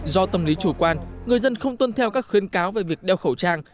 do tâm lý chủ quan người dân không tuân theo các khuyến cáo về việc đeo khẩu trang